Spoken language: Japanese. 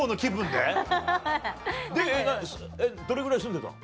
でどれぐらい住んでたの？